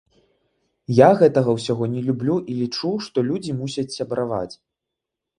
Я гэтага ўсяго не люблю і лічу, што людзі мусяць сябраваць.